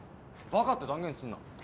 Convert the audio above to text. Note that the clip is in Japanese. バカって断言すんな！